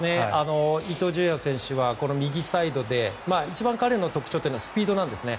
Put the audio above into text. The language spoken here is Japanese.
伊東純也選手は右サイドで一番、彼の特徴というのはスピードなんですね。